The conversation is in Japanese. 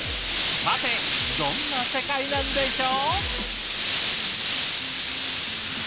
さてどんな世界なんでしょう？